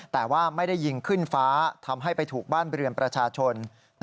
แต่ว่าไม่ได้ยิงขึ้นฟ้าทำให้ไปถูกบ้านเรือนประชาชน